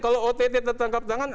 kalau ott tertangkap tangan